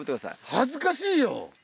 恥ずかしいよ。